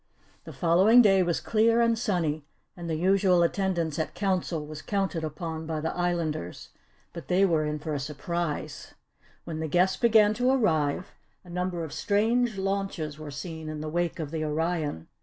The following day was clear and sunny and the usual attendance at Council was counted upon by the Islanders. But they were in for a surprise. When the guests began to arrive, a number of strange launches were seen in the wake of the Orion.